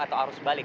atau arus balik